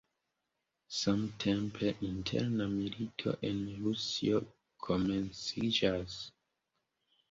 Samtempe, interna milito en Rusio komenciĝas.